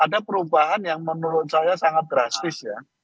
jadi ada perubahan yang menurut saya sangat drastis ya